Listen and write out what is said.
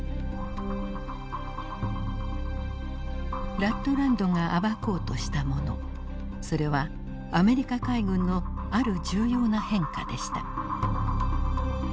ラットランドが暴こうとしたものそれはアメリカ海軍のある重要な変化でした。